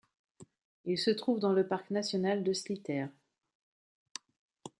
Il se trouve dans le Parc national de Slītere.